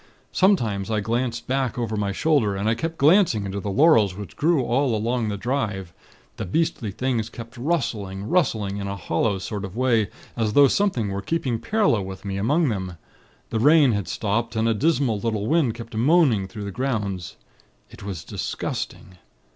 Sometimes, I glanced back over my shoulder; and I kept glancing into the laurels which grew all along the drive. The beastly things kept rustling, rustling in a hollow sort of way, as though something were keeping parallel with me, among them. The rain had stopped, and a dismal little wind kept moaning through the grounds. It was disgusting.